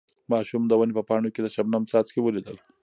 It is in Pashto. ماشوم د ونې په پاڼو کې د شبنم څاڅکي ولیدل.